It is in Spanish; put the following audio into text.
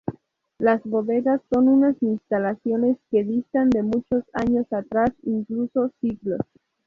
Las Bodegas son unas instalaciones que distan de muchos años atrás, incluso siglos.